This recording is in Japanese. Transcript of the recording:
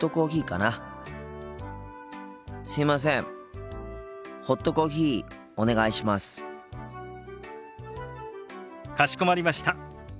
かしこまりました。